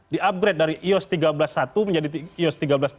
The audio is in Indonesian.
di upgrade dari ios tiga belas satu menjadi ios tiga belas tiga puluh